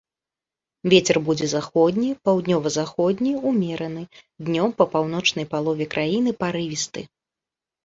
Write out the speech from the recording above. Вецер будзе заходні, паўднёва-заходні, умераны, днём па паўночнай палове краіны парывісты.